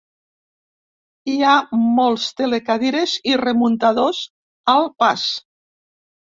Hi ha molts telecadires i remuntadors al pas.